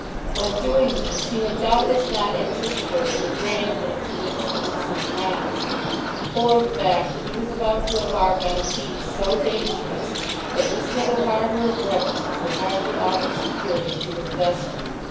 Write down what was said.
When doing this, he had doubtless not anticipated the grandeur to which he would soon rise, or the fact that he was about to embark on seas so dangerous that this little harbour of refuge would hardly offer security to his vessel.